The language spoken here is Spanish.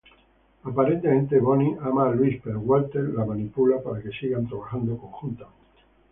Aparentemente, Bonnie ama a Luis, pero Walter la manipula para que sigan trabajando conjuntamente.